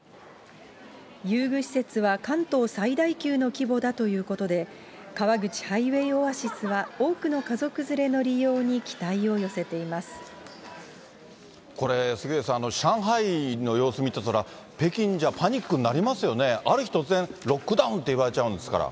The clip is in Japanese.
遊具施設は関東最大級の規模だということで、川口ハイウェイオアシスは、多くの家族連れの利用に期待を寄せてこれ、杉上さん、上海の様子見てたら、北京じゃパニックになりますよね、ある日突然、ロックダウンって言われちゃうんですから。